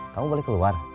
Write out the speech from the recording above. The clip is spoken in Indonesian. kamu boleh keluar